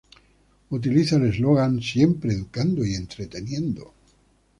Utiliza el eslogan "Siempre educando y entreteniendo".